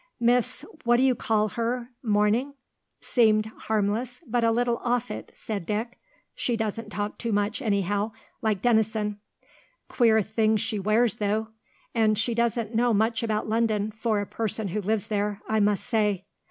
"Miss what d'you call her Morning seemed harmless, but a little off it," said Dick. "She doesn't talk too much, anyhow, like Denison. Queer things she wears, though. And she doesn't know much about London, for a person who lives there, I must say.